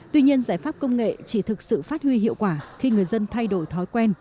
tuy nhiên giải pháp công nghệ chỉ thực sự phát huy hiệu quả khi người dân thay đổi thói quen